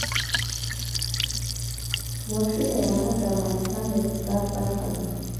وحشي حیوانات د افغانستان د اقتصاد برخه ده.